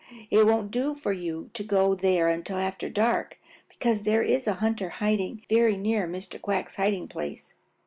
It won't do for you to go there until after dark, because there is a hunter hiding very near Mr. Quack's hiding place.